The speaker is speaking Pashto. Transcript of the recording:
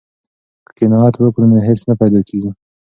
که قناعت وکړو نو حرص نه پیدا کیږي.